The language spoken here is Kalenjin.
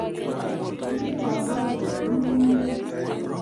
ki ngi komboan kot kemi new york